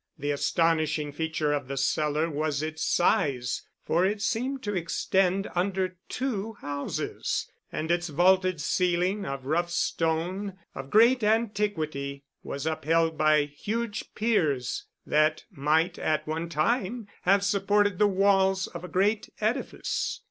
The astonishing feature of the cellar was its size, for it seemed to extend under two houses, and its vaulted ceiling of rough stone of great antiquity was upheld by huge piers, that might at one time have supported the walls of a great edifice.